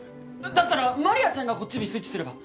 だったらマリアちゃんがこっちにスイッチすれば。